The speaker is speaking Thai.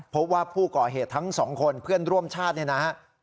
พบว่าผู้ก่อเหตุทั้ง๒คนเพื่อนร่วมชาตินะครับ